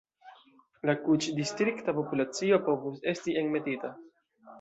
La kutĉ-distrikta populacio povus esti enmetita.